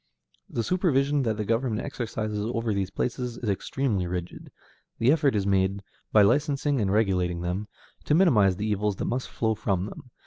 The supervision that the government exercises over these places is extremely rigid; the effort is made, by licensing and regulating them, to minimize the evils that must flow from them.